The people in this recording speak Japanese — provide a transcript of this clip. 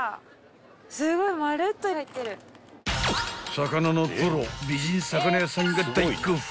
［魚のプロ美人魚屋さんが大興奮］